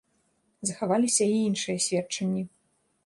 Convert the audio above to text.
Захаваліся і іншыя сведчанні.